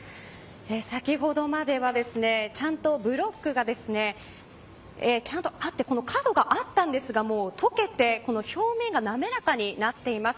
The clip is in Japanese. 先ほどまではちゃんとブロックがちゃんとあって角があったんですが解けて表面が滑らかになっています。